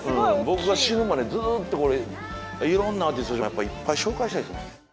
僕が死ぬまでずっとこれいろんなアーティストいっぱい紹介したいです。